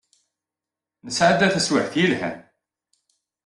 Nesɛedda taswiɛt yelhan.